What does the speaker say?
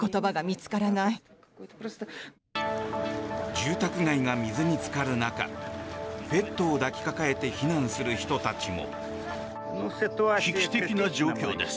住宅街が水につかる中ペットを抱き抱えて避難する人たちも。